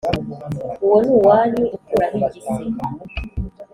uwo ni uwanyu ukuraho igise